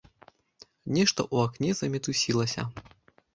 Нешта ў акне замітусілася.